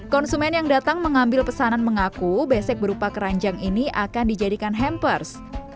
konsumen yang datang mengambil pesanan mengaku besek berupa keranjang ini akan dijadikan hampers